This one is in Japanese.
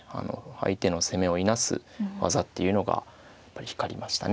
相手の攻めをいなす技っていうのがやっぱり光りましたね。